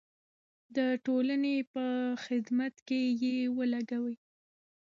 د ټولنې په خدمت کې یې ولګوئ.